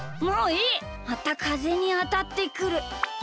またかぜにあたってくる。